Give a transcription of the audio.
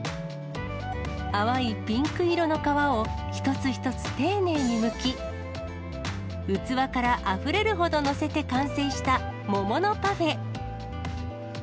淡いピンク色の皮を一つ一つ丁寧にむき、器からあふれるほど載せて完成した桃のパフェ。